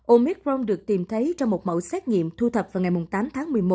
omicron được tìm thấy trong một mẫu xét nghiệm thu thập vào ngày tám tháng một mươi một